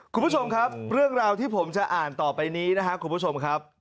คุณผู้ชมครับเรื่องราวที่ผมจะอ่านต่อไปนี้นะครับ